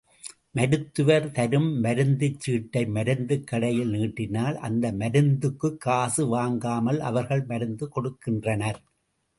மருத்துவர் தரும் மருந்துச் சீட்டை மருந்து கடையில் நீட்டினால் அந்த மருந்துக்குக் காசு வாங்காமல் அவர்கள் மருந்து கொடுக்கின்றனர்.